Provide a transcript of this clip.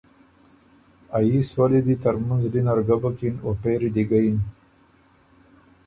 ا يي سولّي دی ترمُن زلی نر ګۀ بُکِن او پېری دی ګه یِن۔